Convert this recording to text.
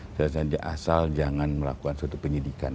saya selalu sampaikan asal jangan melakukan suatu penyidikan